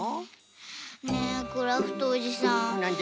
ねえクラフトおじさん。